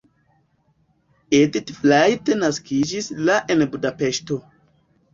Edit Frajt naskiĝis la en Budapeŝto.